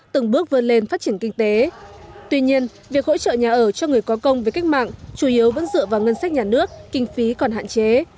tuy nhiên việc hỗ trợ nhà ở cho người có công với cách mạng chủ yếu vẫn dựa vào ngân sách nhà nước kinh phí còn hạn chế